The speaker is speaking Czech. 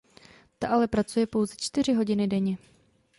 Ta ale pracuje pouze čtyři hodiny denně.